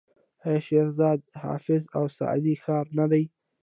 آیا شیراز د حافظ او سعدي ښار نه دی؟